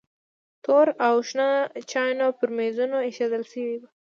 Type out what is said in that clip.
تور او شنه چایونه پر میزونو ایښودل شوي وو.